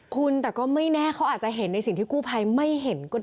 คุณแต่ก็ไม่แน่เขาอาจจะเห็นในสิ่งที่กู้ภัยไม่เห็นก็ได้